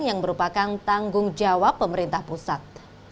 yang merupakan tanggung jawab pemerintah pusat